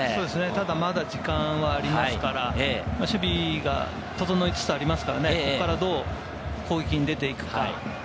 ただ、まだ時間はありますから、守備が整いつつありますから、どう攻撃に出ていくか。